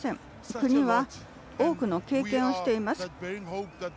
国は多くの経験をしています。